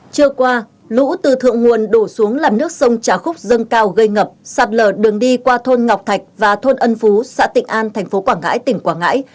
chưa qua lũ từ thượng nguồn đổ xuống làm nước sông trà khúc dâng cao gây ngập sạp lờ đường đi qua thôn ngọc thạch và thôn ân phú xã tịnh an tp quảng ngãi tỉnh quảng ngãi